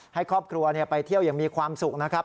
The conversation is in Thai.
ให้ครอบครัวไปเที่ยวอย่างมีความสุขนะครับ